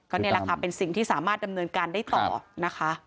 นี่แหละค่ะเป็นสิ่งที่สามารถดำเนินการได้ต่อนะคะ